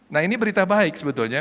nah ini berita baik sebetulnya